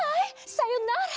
さよなら！